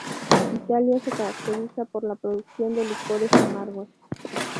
Italia se caracteriza por la producción de licores amargos.